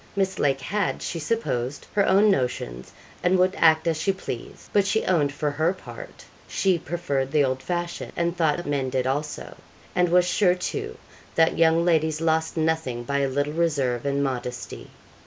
Miss Lake had, she supposed, her own notions, and would act as she pleased; but she owned for her part she preferred the old fashion, and thought the men did also; and was sure, too, that young ladies lost nothing by a little reserve and modesty.